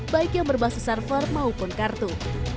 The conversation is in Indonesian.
baik yang berbasis server maupun kartu